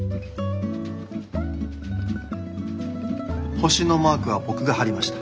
星のマークは僕が貼りました。